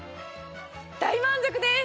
大満足です！